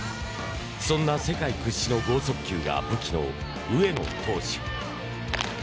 そんな世界屈指の剛速球が武器の上野投手。